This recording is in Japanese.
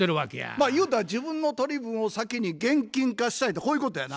まあ言うたら自分の取り分を先に現金化したいとこういうことやな。